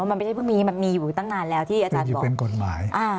ว่ามันไม่ใช่พึ่งมีมันมีอยู่ตั้งนานแล้วที่อาจารย์บอกมันอยู่เป็นกฎหมาย